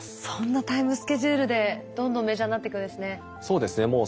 そんなタイムスケジュールでどんどんメジャーになっていくんですね。